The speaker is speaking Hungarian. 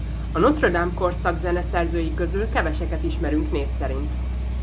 A Notre-Dame-korszak zeneszerzői közül keveseket ismerünk név szerint.